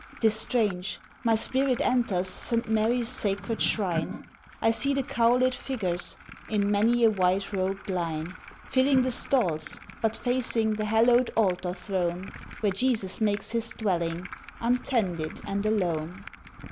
T'is strange; my spirit enters St Mary's Sacred Shrine, I see the cowlèd figures, In many a white rob'd line, Filling the stalls, but facing The hallow'd Altar Throne, Where Jesus makes His dwelling, Untended and alone.